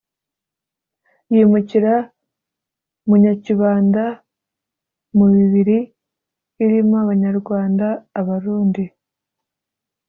yimukira mu Nyakibanda mu bibiri irimo Abanyarwanda, Abarundi.